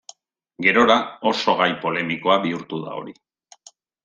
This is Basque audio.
Gerora, oso gai polemikoa bihurtu da hori.